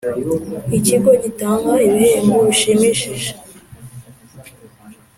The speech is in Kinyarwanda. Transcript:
Ikigo gitanga ibihembo bishimishije